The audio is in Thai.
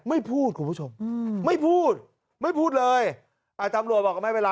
ไม่พูดคุณผู้ชมอืมไม่พูดไม่พูดเลยอ่าตำรวจบอกก็ไม่เป็นไร